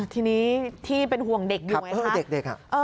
ทีนี้ที่เป็นห่วงเด็กอยู่ไงครับ